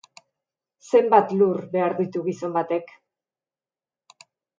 Zenbat lur behar ditu gizon batek?